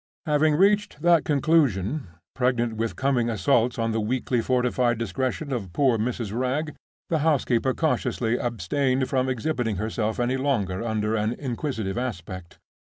Having reached that conclusion—pregnant with coming assaults on the weakly fortified discretion of poor Mrs. Wragge—the housekeeper cautiously abstained from exhibiting herself any longer under an inquisitive aspect.